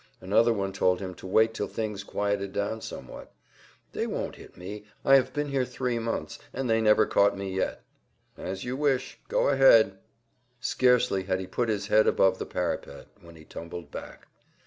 Another one told him to wait till things quieted down somewhat. "They won't hit me; I have been here three months, and they never caught me yet." "As you wish; go ahead!" Scarcely had he put his head above the parapet when he tumbled back.